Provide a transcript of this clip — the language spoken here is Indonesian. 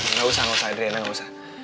nggak usah gak usah